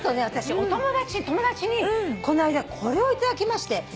私お友達にこの間これを頂きまして。